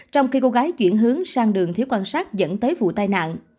trong khi cô gái chuyển hướng sang đường thiếu quan sát dẫn tới vụ tai nạn